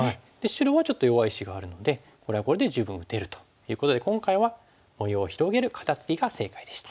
白はちょっと弱い石があるのでこれはこれで十分打てるということで今回は模様を広げる肩ツキが正解でした。